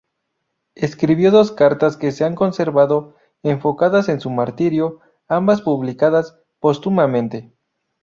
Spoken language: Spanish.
Escribió dos cartas que se han conservado, enfocadas en su martirio, ambas publicadas póstumamente.